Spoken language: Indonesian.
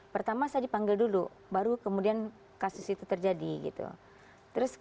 pertama saya dipanggil dulu baru kemudian kasus itu terjadi gitu